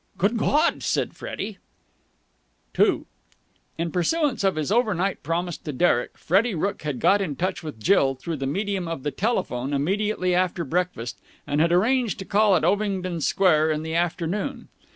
"Good God!" said Freddie. II In pursuance of his overnight promise to Derek, Freddie Rooke had got in touch with Jill through the medium of the telephone immediately after breakfast, and had arranged to call at Ovingdon Square in the afternoon.